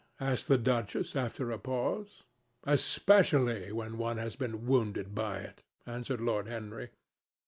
asked the duchess after a pause. "Especially when one has been wounded by it," answered Lord Henry.